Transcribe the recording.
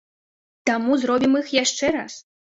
Таму зробім іх яшчэ раз!